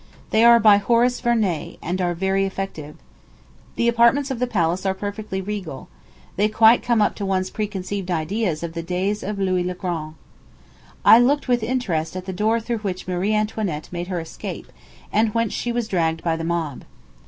They are by Horace Vernet, and are very effective. The apartments of the palace are perfectly regal. They quite come up to one's preconceived ideas of the days of Louis le Grand. I looked with interest at the door through which Marie Antoinette made her escape, and whence she was dragged by the mob.